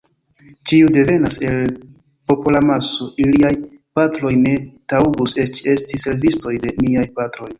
Ĉiuj devenas el popolamaso, iliaj patroj ne taŭgus eĉ esti servistoj de niaj patroj.